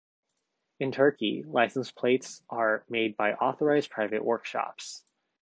In Turkey, license plates are made by authorized private workshops.